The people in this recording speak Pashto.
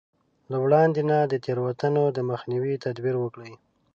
له وړاندې نه د تېروتنو د مخنيوي تدبير وکړي.